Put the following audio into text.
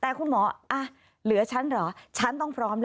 แต่คุณหมอเหลือฉันหรอฉันต้องพร้อมแล้วล่ะแต่คุณหมอเหลือฉันเหรอฉันต้องพร้อมเลย